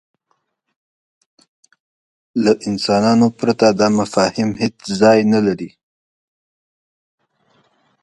له انسانانو پرته دا مفاهیم هېڅ ځای نهلري.